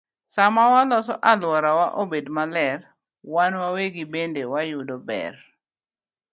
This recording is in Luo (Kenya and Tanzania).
Sama waloso alworawa obed maler, wan wawegi bende wayudo ber.